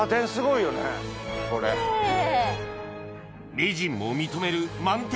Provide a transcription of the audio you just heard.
名人も認める満天